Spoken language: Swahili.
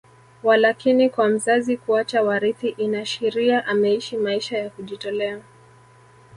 Walakini kwa mzazi kuacha warithi inashiria ameishi maisha ya kujitolea